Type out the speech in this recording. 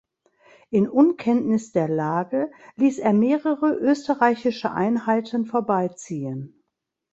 In Unkenntnis der Lage ließ er mehrere österreichische Einheiten vorbeiziehen.